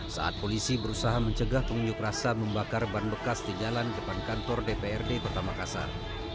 saat polisi berusaha mencegah pengunjuk rasa membakar ban bekas di jalan depan kantor dprd kota makassar